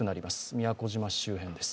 宮古島周辺です。